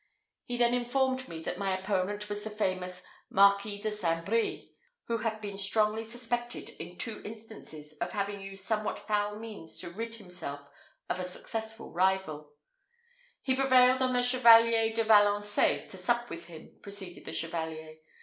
He then informed me that my opponent was the famous Marquis de Saint Brie, who had been strongly suspected in two instances of having used somewhat foul means to rid himself of a successful rival. "He prevailed on the Chevalier de Valençais to sup with him," proceeded the Chevalier.